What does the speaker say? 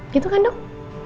gitu kan dong